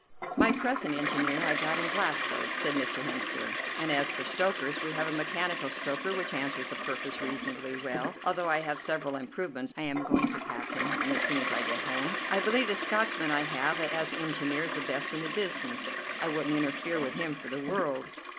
"My present engineer I got in Glasgow," said Mr. Hemster; "and as for stokers we have a mechanical stoker which answers the purpose reasonably well, although I have several improvements I am going to patent as soon as I get home. I believe the Scotchman I have as engineer is the best in the business. I wouldn't interfere with him for the world."